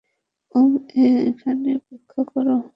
ওম, এখানে অপেক্ষা কর।